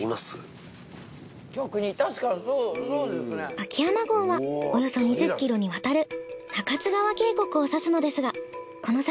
秋山郷はおよそ２０ｋｍにわたる中津川渓谷をさすのですがこの先